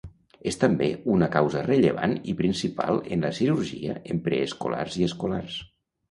És també una causa rellevant i principal en la cirurgia en preescolars i escolars.